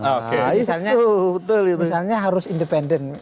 misalnya harus independen